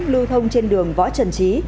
lưu thông trên đường võ trần chí